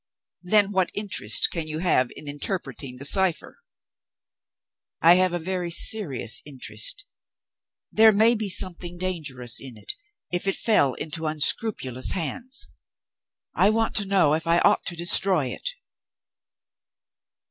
"Then what interest can you have in interpreting the cipher?" "I have a very serious interest. There may be something dangerous in it, if it fell into unscrupulous hands. I want to know if I ought to destroy it."